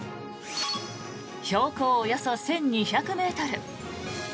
標高およそ１２００ｍ